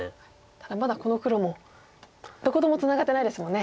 ただまだこの黒もどこともツナがってないですもんね。